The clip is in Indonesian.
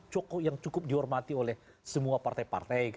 tokoh yang cukup dihormati oleh semua partai partai